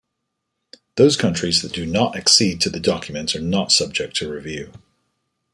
Those countries that do not accede to the document are not subject to review.